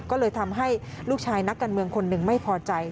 ก็เลยทำให้ลูกชายนักการเมืองคนหนึ่งไม่พอใจ